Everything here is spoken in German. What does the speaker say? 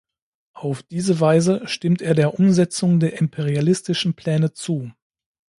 Auf diese Weise stimmt er der Umsetzung der imperialistischen Pläne zu.